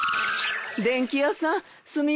電気屋さんすみません。